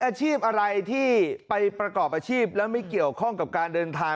อาชีพอะไรที่ไปประกอบอาชีพแล้วไม่เกี่ยวข้องกับการเดินทาง